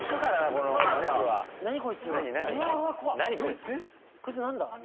こいつ何だ？